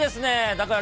だから、